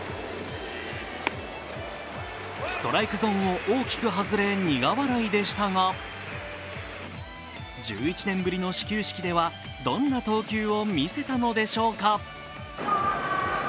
ストライクゾーンを大きく外れ苦笑いでしたが１１年ぶりの始球式では、どんな投球を見せたのでしょうか？